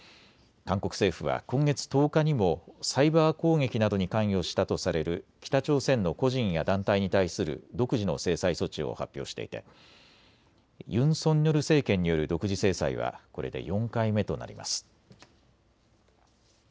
韓国政府は今月１０日にもサイバー攻撃などに関与したとされる北朝鮮の個人や団体に対する独自の制裁措置を発表していてユン・ソンニョル政権による独自制裁はこれで４回目となります。